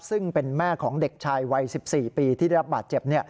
ซึ่งเป็นแม่ของเด็กชายวัย๑๔ปีที่ได้รับบาดเจ็บ